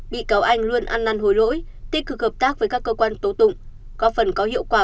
bị cáo anh luôn ăn năn hối lỗi tích cực hợp tác với các cơ quan tố tụng góp phần có hiệu quả